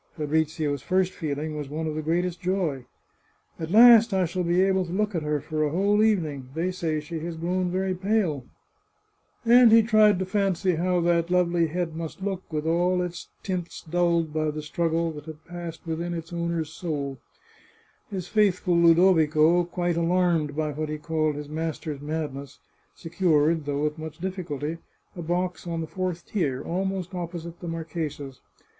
Fabrizio's first feeling was one of the greatest joy. " At last I shall be able to look at her for a whole evening. They say she has g^own very pale." And he ' Raised ia a frown from intensity of search. 5" The Chartreuse of Parma tried to fancy how that lovely head must look, with all its tints dulled by the struggle that had passed within its owner's soul. His faithful Ludovico, quite alarmed by what he called his master's madness, secured, though with much difficulty, a box on the fourth tier, almost opposite the mar chesa's.